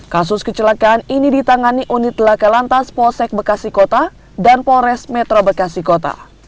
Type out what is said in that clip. kasus kecelakaan ini ditangani unit laka lantas polsek bekasi kota dan polres metro bekasi kota